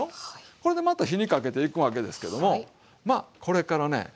これでまた火にかけていくわけですけどもこれからね